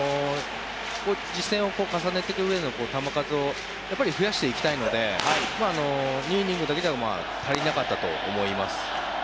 実戦を重ねていくうえで球数を増やしていきたいので２イニングだけでは足りなかったと思います。